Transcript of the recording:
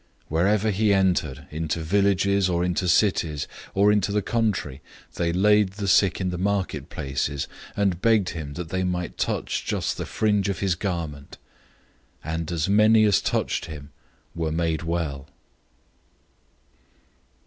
006:056 Wherever he entered, into villages, or into cities, or into the country, they laid the sick in the marketplaces, and begged him that they might touch just the fringe{or, tassel} of his garment; and as many as touched him were made well.